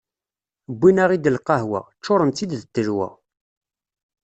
Wwin-aɣ-id lqahwa, ččuren-tt-id d ttelwa.